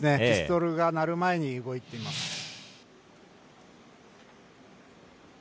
ピストルが鳴る前に動いています。